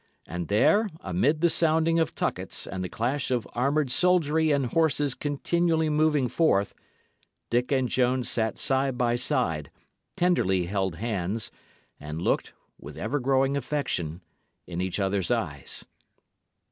And there, amid the sounding of tuckets and the clash of armoured soldiery and horses continually moving forth, Dick and Joan sat side by side, tenderly held hands, and looked, with ever growing affection, in each other's eyes.